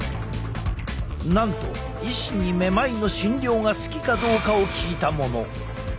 なんと医師にめまいの診療が好きかどうかを聞いたもの。